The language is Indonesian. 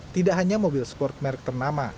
tidak hanya mobil sport merek ternama